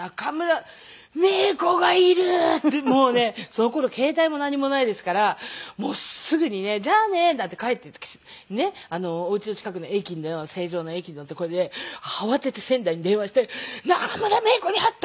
もうねその頃携帯も何もないですからもうすぐにね「じゃあね」なんて帰っている時ねっお家の近くの駅の成城の駅の所で慌てて仙台に電話して「中村メイコに会った！」